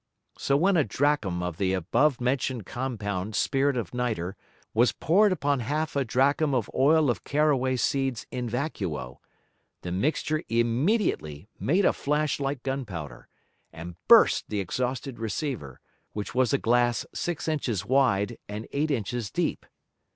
So when a Drachm of the above mention'd compound Spirit of Nitre was poured upon half a Drachm of Oil of Carraway Seeds in vacuo, the Mixture immediately made a flash like Gun powder, and burst the exhausted Receiver, which was a Glass six Inches wide, and eight Inches deep.